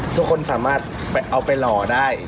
ทุกคนสามารถเอาไปหล่อได้